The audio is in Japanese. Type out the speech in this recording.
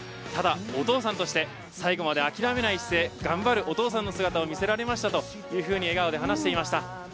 ただ、お父さんとして最後まで諦めない姿勢頑張るお父さんの姿を見せられましたと笑顔で話していました。